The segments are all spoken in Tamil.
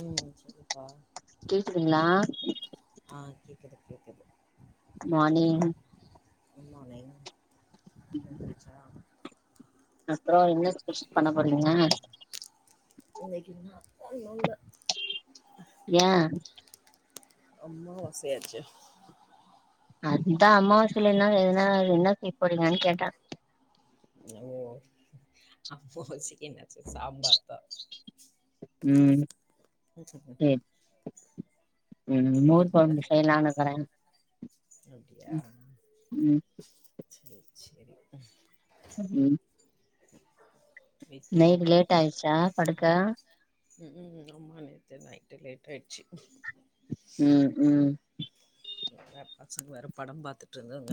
ம் செரிப்பா கேக்குதுங்களா ஆ கேக்குது கேக்குது மார்னிங் கு மார்னிங் [inaudible] அப்றோ என்ன ஸ்பெஷல் பண்ண போறீங்க இன்னைக்கு இன்னா ஒன்னு இல்ல ஏ அம்மாவசை ஆச்சே அதுதா அமாவாசலே என்ன எதுனா என்ன செய்யப் போறீங்கன்னு கேட்டே ஓ அம்மாவசைக்கி என்ன [inaudible] சாம்பார் தா ம் [unintelligible] ம் ம் மோர் இங்க கொழம்பு செய்யலானுருக்கற ம் சேரி சேரி ம் வீட்டில் நைட் அவங்க லேட் ஆய்ருச்சா படுக்க ம் ம் ஆமா நேத்து நைட்டு் லேட் ஆயிர்ச்சி ம் ம் எப்ப பசங்க வேற படம் பாத்துட்ருந்தாங்க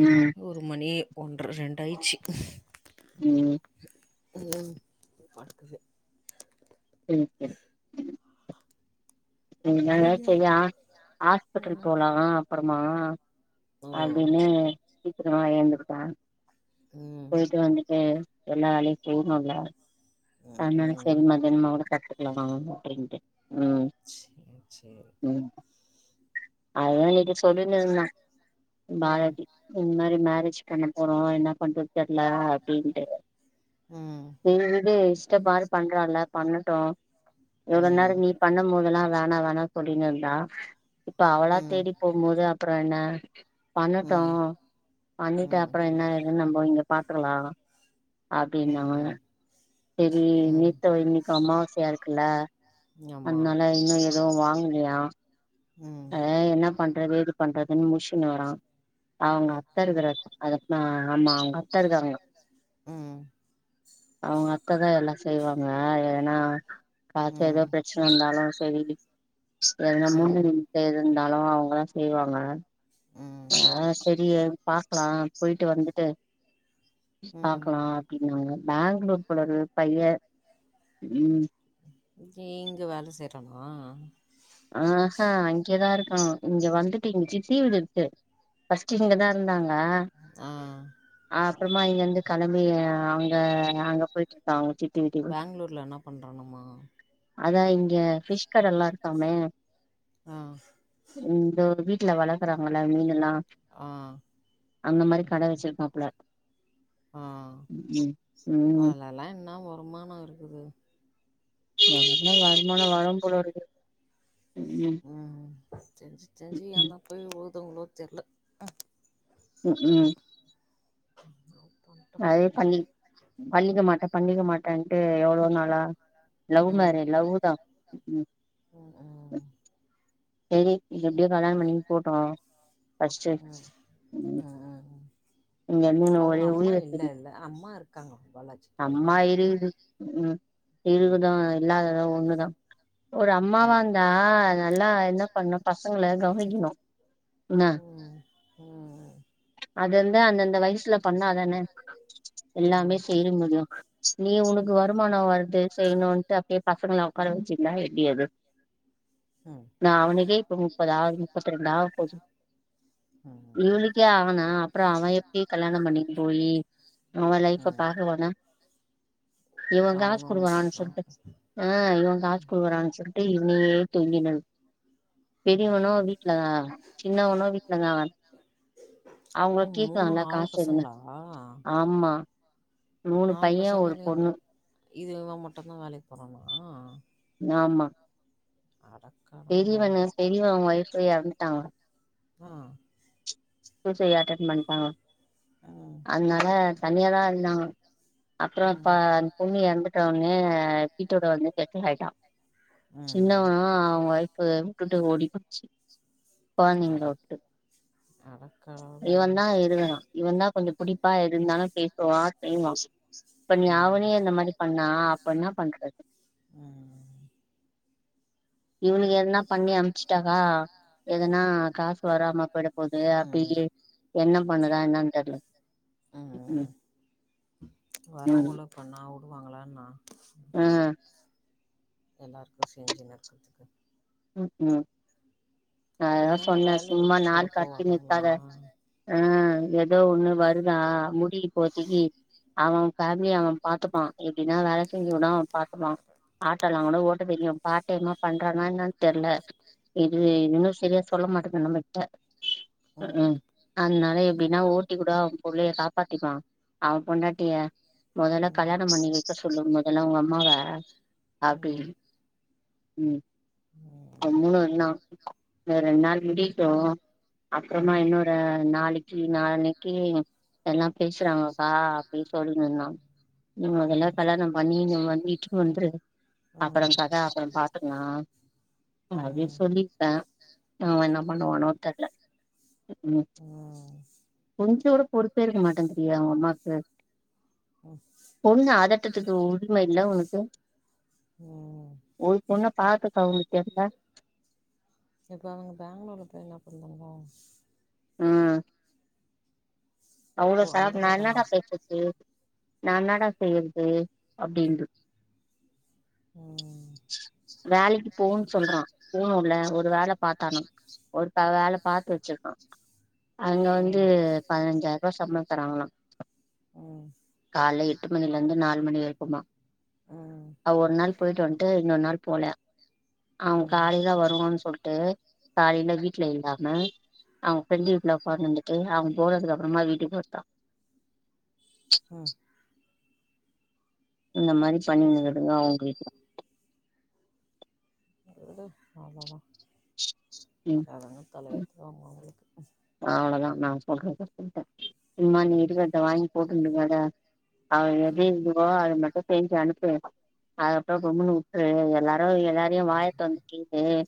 ம் ஒரு மணி ஒன்ற ரெண்டாயிச்சி ம் ம் படுக்குது செரி செரி இந்த மாரிலா நீங்க செய்யா ஹாஸ்பிட்டல் ம் போலா அப்புறமா ஓ அதுன்னே சீக்கிரமா ஏந்துருக்கற ம் போயிட்டு வந்துட்டு எல்லா வேலயு செய்னுல்ல ம் அதனால ம் செரி மத்யானமா கூட கத்துக்கலாமா அப்டின்ட்டு ம் ம் சேரி ம் அதா நேத்து சொல்லினுருந்தா ம் பாரதி இந்த மாரி மேரேஜ் பண்ண போறோ என்ன பண்றத் தெர்ல அப்டின்ட்டு ம் எங்களுக்கே இஷ்டப்பாடு பண்றால்ல பண்ணட்டு எவ்ளோ ம் நேர நீ பண்ணு போதெல்லா வேணா வேணா சொல்லின் இருந்தா இப்ப அவளா ம் தேடி போம் போது அப்புற என்ன பண்ணட்டு ம் பண்ணிட்டு ம் அப்புற என்ன ஏதுன் நம்ப இங்க பாத்துக்கலா ம் அப்டின்னாங்க ம் செரி ம் நேத்தோ இன்னைக்கோ அம்மாவாசையா இருக்குல்ல ஆமா அத்னால இன்னு எதுவு வாங்கலியா ம் அதா என்ன பண்றது ஏது பண்றதுன் மூச்சின் வரா அவங்க அத்த ம் இருக்கற அத ஆ ஆமா அவுங்க அத்த இருக்காங்க ம் அவங்க அத்த தா எல்லா செய்வாங்க ஏனா பாத்து ஏதோ ம் பிரச்சன இருந்தாலு செரி ம் சரி ம் [unintelligible] இருந்தாலு அவுங்கல்லா செய்வாங்க ம் ஆ சேரி ஏது பாக்கலா போய்ட்டு வந்துட்டு ம் பாக்கலா அப்டின்னாங்க பேங்களூர் போலருக் பைய ம் இங்க வேல செய்றானா ஆஹா இங்கதா இருக்கா இங்க வந்துட்டு இங்க சித்தி வீடு இருக்கு ஃபஸ்ட்டு இங்கதா இருந்தாங்க ஆ அப்புறமா இங்க இந்து கெளம்பி ஆ ஆ அங்க போய்ட்ருக்கோ அவுங்க சித்தி வீட்டுக்கு பேங்களூர்ல என்ன பண்றானாமா அதா இங்க ஃபிஷ் கடல்லா இருக்காமே ஆ இந்த வீட்ல வளக்குறாங்கல்ல மீனெல்லா ஆ அந்த மாரி கடை வச்சிருக்காப்புல ஆ ம் ம் அதுலெல்லா என்னா வருமானோ இருக்குது எதுனா வருமானோ வரும் போல இருக்கு உம் ம் ம் தெரிஞ்சி தெரிஞ்சி ஏ தா போய் உழுதுங்களோ தெரியில ம் ம் ரோப்போ அதே பண்ணி பண்ணிக்க மாட்டேன் பண்ணிக்க மாட்டேன்ட்டு எவ்வளோ நாளா லவ் மேரேஜ் ம் லவ்வு தா ம் ம் செரி எப்படியோ கல்யாணோ பண்ணிட்டு போட்டு ஃபர்ஸ்ட்டு உம் ம் இங்கே இருந்தேண்ணா அவங்க ஒரே அம்மா உயிரு இல்ல இல்ல அம்மா இருக்காங்க பாளாச்சிகு அம்மா இருக்குது ம் இருகுது இல்லாதது ஒண்ணுதா ஒரு அம்மாவா இந்தா நல்லா என்ன பண்ணனு பசங்கள கவனிக்கணு என்ன ம் ம் அது அந்து அந்தந்த வயசுல பண்ணா தானே இதா. ம் அதா எல்லாமே செய்ர முடியு நீ உனக்கு வருமானோ வருது செய்யினுன்ட்டு அப்படியே பசங்கள உக்கார வச்சு நா எப்டிஅது ம் நா இப்ப முப்பதாவது முப்பத்தி [unintelligible] இவளுக்கே அவனா அப்புறோ அவ எப்பிடி கல்யாணோ பண்ணிட்டு போயி அவ லைஃப ம் பாக்க வேணா இவ காசு அவனு குடுக்குறானு இருக்கா சொல்ட்டு ஆ இவங் காசு குடுக்குறான்னு சொல்லிட்டு இவனயே தொங்கினு பெரியவனோ வீட்டுலதா சின்னவனு வீட்டுலதா ஓ மூணு நாலு காசு எதுன்னு பசங்களா ஆமா மூணு நாலு பைய ஒரு பசங்கலேந்து பொண்ணு இது இவ மட்டுந்தா வேலைக்கு போறானா ஆமா அடக்க பெரியவங்க பெரியவங்க வயசுலேயே எறந்துட்டாங்க ஆ சூசைட் அட்டன் பண்டாங்கோ ம் அதுனால தனியாதா இருந்தாங்க அப்புறோ ம் ப அந்த பொண்ணு எறந்துட்டவுடனே வீட்டோட வந்து செட்டல் ஆயிட்டா ம் சின்னவனா அவங்க வைஃப்பு‍ விட்டுட்டு ஓடி போச்சு கொழந்தைங்கள அட விட்டு அட இவன் தா எதுவேணா இவன் தா கொஞ்சு புடிப்பா எதுருந்தாலு பேசுவா செய்வா இப்ப ம் அவுனையு இந்த மாரி பண்ணா அப்ப எண்ணா பண்றது ஆ இவனுக்கு எதனா பண்ணி அனுப்பிச்சாக்கா எதனா காசு வராம போயிட போது அப்படி ம் என்ன பண்ணுறா என்னானு தெரியில உம் வரவங்கள பண்ணா விடுவாங்களான்னா ஆ ம் எல்லாருக்கு செஞ்சு நடச்சறதுக்கு உம் உம் அததா அததுங்க சொன்ன வேலைக்கு சும்மா கூட நாள் கடத்தினு போவாதுங்களா இருகாத ஆ எதோ ஒண்ணு வருதா முடி இப்போதிக்கி அவ ஃபேமிலி அவ பாத்துப்பா எப்டினா வேல செஞ்சுன்னா அவ பாத்துப்பா ஆட்டோல்லா கூட ஓட்ட தெரியு பார்டைமா பண்றானா என்னனு தெர்ல இது ம் இன்னு சரியா சொல்ல மாட்டேங்கற நம்மகிட்ட உஹ்ஹூ ம் அதனால எப்டின்னா ஓட்டி கூட அவ புள்ளைய காப்பாத்திப்பா அவ பொண்டாட்டிய மொதல்ல ம் கல்யாணம் பண்ணி வெக்க சொல்லு மொதல்ல உங்க அம்மாவே ம் அப்டின் ம் ம் அ மூணுன்னா அ ரெண்டு நாள் முடிட்டு ம் அப்புறமா ம் இன்னொரு நாளைக் கி நாளான்னைக்கி எல்லாம் பேசுறாங்கக்கா அப்டின்னு சொல்ணிருந்தான் ம் மொதெல்ல கல்யாணம் பண்ணி இங்க வந்து இட்டுன்னு வந்துரு அப்புற கதை அப்புற பாத்துகளா அப்பின் ம் சொல்லிட்ட அவ இன்னா பண்ணுவானோ தெர்ல ம் ம் கொஞ்ச கூட பொறுப்பே இருக்க மாட்டேங்கிது எ அவ அம்மாக்கு ஒ ஸ் ஒண்ணு ஆதட்டத்துக்கு உரிமை இல்லை உனக்கு ம் ஒரு பொண்ணப் பாத்து கவுந்திட்டாயா அதுல இப்போ அவங்க பேங்ளூர்ல போய் இன்னா பண்றாங்லா ஆ அவ்ளோ ஓ சார் அங்கதா நா இருக்காங்க என்னடா செய்றது நா என்னடா செய்யறது அப்டின்னு ம் வேலைக்கு போன்னு சொல்றா போணுல ஒரு வேல பாத்தானு ஒருதா வேல பாத்து வெச்சிருக்கா அங்க வந்து ம் பதினஞ்சாயிரம் ரூபா சம்பளம் தராங்களா ம் காலையில எட்டு மணில இருந்து நாலு மணி வரைக்குமா ம் அவ ஒரு நாள் போய்ட்டு வந்ட்டு இன்னொரு நாள் போல அவ ம் காலையில வருவன்னு சொல்லிட்டு காலையில வீட்டுல இல்லாம அவங்க ஃப்ரெண்ட் வீட்ல உக்காந்திந்துட்டு அவ போறதுக்கு அப்புறமா வீட்டுக்கு வத்தா ம் இந்த மாதிரி பண்ணின்னு இருக்குதுங்கோ அவங்க வீட்ல விடு அவ்ளதா ம் என்ன தலையெழ்த்துதா மாறியிருக்கு அவ்ளதா நா சொல்றத சொல்லிட்டே இம்மா நீ ம் இருவட்ட வாங்கி போட்டுருந்தங்கட அவ எப்டி ம் இதுவோ அது மட்டு செஞ்சு அனுப்பு அது அப்புறம் கம்முனு வுட்டுரு எல்லாரு எல்லாரையு வாயத்த தொறந்து கேளு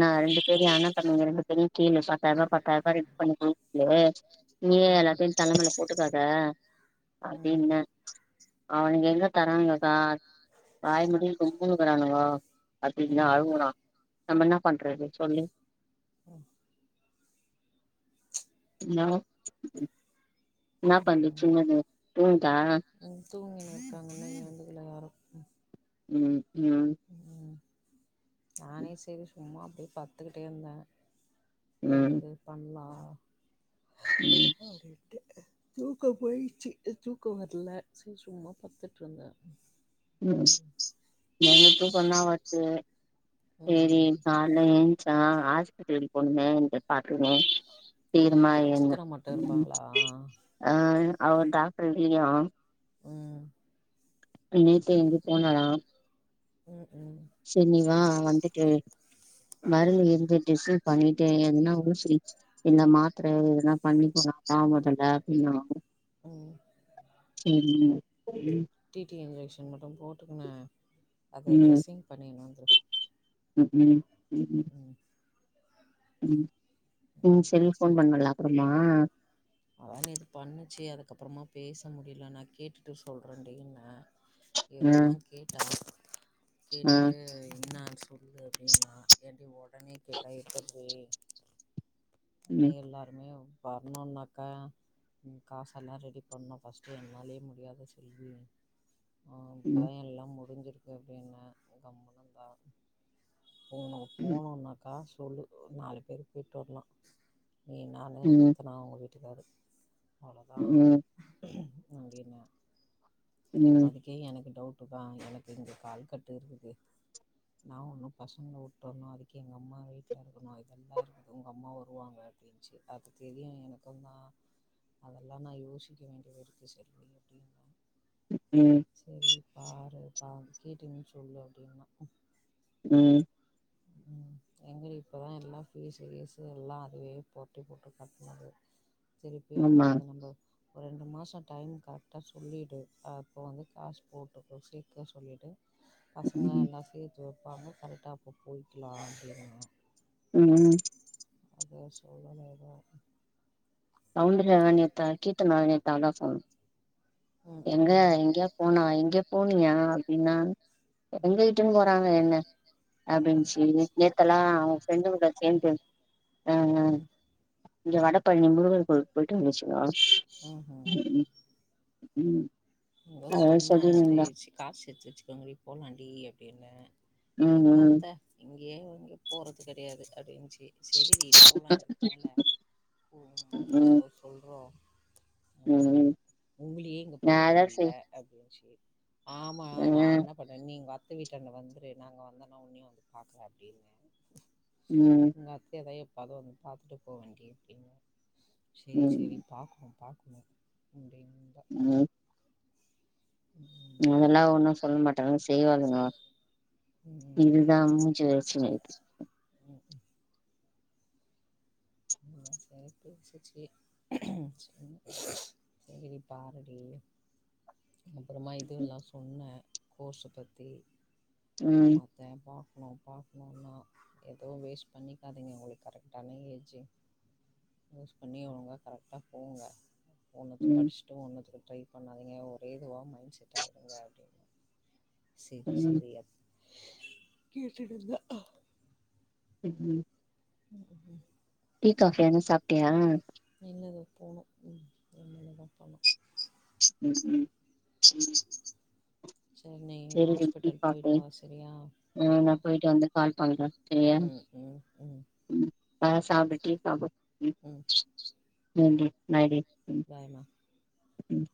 நா ரெண்டு பேரயு அண்ணதம்பிங்க ரெண்டு பேரையு கேளு பாத்தாயிர ரூவா ப [unintelligible] நீயே ம் எல்லாத்தையு தல மேல போட்டுக்காத ம் அப்டின்ன அவனுங்க எங்க தராங்கக்கா வாயமூடினு கம்முன்னு இருக்கானுக அப்டின்னு ம் அழுவுறா நம்ம என்னாப் பண்றது சொல்லு இன்னாகோ இன்னாப் ம் பண்ணுச்சுங்க அது [unintelligible] ம் தூங்கி [inaudible] எந்திக்கல யாரு ம் ம் ம் நானே சரி சும்மா அப்டியே பத்துக்கிட்டே இருந்த ம் ஏந்துரு பண்லா அ ஒரு எட்டு தூக்கோ போயிச்சி தூக்கோ வர்ல ச சும்மா பத்துட்ருந்தே ம் எனக்கு தூக்கோ தா வர்து சேரி ம் கால்ல எஞ்சா ஹாஸ்பிடல் போணுமே அந்தத் தாட்டுமே தீருமா ஏன் என்ன சித்தரா மட்டும் ம் இருப்பாங்களா அ அவர் டாக்டர் [unintelligible] ம் பின்னே தெய்ந்து போனா ம் ம் சேர் நீ வா வந்துட்டு மருந்து எங்க டிஸைட் பண்ணிட்டே எத்னா ஊசி இந்த மாத்தர எதென்னா பண்ணிக்கலாமா முதல்ல அப்டின்னா ம் ம் ம் ம் டிடி இன்ஜெக்ஷன் மட்டு போட்டுக்குனு அத ட்ரெஸ்ஸிங் பண்ணினு வந்துரு உஹும் உஹும் ம் ம் செரி ஃபோன் பண்ணல அப்புறமா அதா நேத்து பண்ணுச்சு அதுக்கப்புறமா பேச முடியல நா கேட்டுட்டு சொல்றேன்டின ஆ இதெல்லா கேட்டா ஆ கேட்டுட்டு என்ன ஆச்சு சொல்லு அப்டின்னா ஏன்டி ஒடனே கேட்டா எப்பட்ரீ ம் எல்லாருமே வர்ணுன்னாக்கா ம் காசெல்லா ரெடி பண்ணோ ஃபஸ்ட்டு என்னாலயே முடியாது செல்வி அ ம் இப்பதா ம் எல்லா முடிஞ்சிருக்கு அப்டின்ன கம்முனுந்தா உனக்கு ம் போனுனாக்கா சொல்லு ஒரு நாலு பேரு போயிட்டு வரலா நீ நானு ம் ரத்தனா அவங்க வீட்டுக்காரு அவ்ளோதா அங்கின ம் அதுக்கே எனக்கு டவுட்டு தா எனக்கு இங்க கால் கட்டு இருக்குது நா ஒண்ணு பசங்கள வுட்டு வர்ணு அதுக்கு எங்க அம்மா வீட்டுல இருக்கணு இதெல்லா இருக்குது உங்க அம்மா வருவாங்க அது அது தெரியு எனக்குந்தா அதெல்லா நா யோசிக்க வேண்டியது இருக்கு செல்வி அப்டின்ன ம் ம் செரி பாரு பா கேட்டேன்னு சொல்லு அப்டின்னா ம் [unintelligible] ம் [inaudible] எங்கடி இப்பதா எல்லா ஃபீஸ்ஸு கீஸ்ஸு எல்லா அதுவே போட்டு போட்டு கட்னது திருப்பி அங்க ஆமா வந்து நம்ப ஒரு ரெண்டு மாசோ டைம் கரெக்டா சொல்லிடு அப்போ வந்து காசு போட்டுக்கோ சேத்தே சொல்லிடு பசங்கலா ம் எல்லா சேத்து வைப்பாங்க கரெக்டா அப்போ போய்கலா அப்டின்னா ம்ம் அது சொல்ல எதுவும் சவுண்டனேத்தா கீத்தனா நேத்து அதா சொன்னா ம் எங்க ம் எங்கயோ போனா எங்க போனியா அப்டின்னா எங்கவீட்டுன்னு போறாங்க என்ன ம் அப்டின்னுச் சொல்லி நேத்துல்லா அவுங்க ஃப்ரெண்டு கூட சேந்து ஆ ம் இங்க வடபழனி முருகர் கோவிலுக்கு போயிட்டு வந்துச்சுங்க ம்ஹும் ம் ம் எதோ சொன்ன ரெச்சி காசு எடுத்து வச்சீக்கோங்கடி போலாண்டி அப்டின்ன ம் எங்கத்த இங்கே எங்கே போறது கெடையாது அப்டின்னுச்சி சேரிடி போலா இதுக்கு மேல போம்போது ம் ம் போம்போது சொல்றோ ம் அப்படின்னு உங்களயே இங்க பா அதா செய் அப்டின்னுச்சி ஆமா ஆ நா என்ன பண்ண நீங்க பா தூங்கிட்டாங்க வந்துரு நாங்க வந்தோன உன்னியு வந்து பாக்க அப்டின்ன ம் எங்க அத்தையதா எப்பாவுது வந்து பாத்துட்டு போவேண்டடி இருக்கு சேரி ம் சேரி பாக்கு பாக்குணு ம் அப்டின்டா உங்க ம் அதெல்லா ஒன்னு சொல்ல மாட்டாலுங்க செய்வாலுங்க ம் இதுதான்மு [unintelligible] ம் உங்ஙள்ளா சேர்த்து [unintelligible] சேரி சேரி பாருடி அப்றமா இது எல்லா சொன்ன கோர்ஸ்ஸ பத்தி ம் ஆமா இத பாக்கணு பாக்கணுன்னா எதுவு வேஸ்ட் பண்ணிக்காதிங்க உங்களுக்கு கரெக்டான ஏஜ்ஜு யூஸ் பண்ணி ஒழுங்கா கரெக்டா போங்க போணத்தும் ம் படிச் ட்டு ஒன்னுதுக்கு ட்ரை பண்ணாதீங்க ஒரே இதுவா மைண்ட் செட் ஆகுங்க அப்டின்னு சேரி ம் சேரி அப் கேட்டுட்ருந்தா ம் உம் டீ காஃபி எதனா சாப்டியா இனிமேதான் போனும் என்னத்த இனிமைதா போனும் ம் ம் ம் சேரி நீ டீ ஹாஸ்பிட்டல் போயிட்டு காஃபி வா சரியா ஆ நா ம் போயிட்டு வந்து கால் பண்றே சரியா உம் உம்‌ உம் ம் இப்ப தா சாப்ட்டுட்டு பாக்கனு ம் ம் [unintelligible] பாய் மா ம்